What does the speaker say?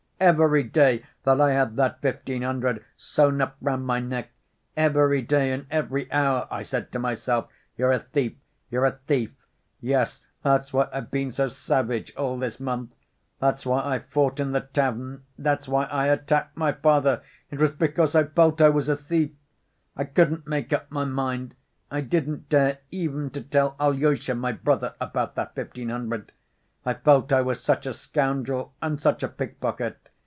Every day that I had that fifteen hundred sewn up round my neck, every day and every hour I said to myself, 'You're a thief! you're a thief!' Yes, that's why I've been so savage all this month, that's why I fought in the tavern, that's why I attacked my father, it was because I felt I was a thief. I couldn't make up my mind, I didn't dare even to tell Alyosha, my brother, about that fifteen hundred: I felt I was such a scoundrel and such a pickpocket.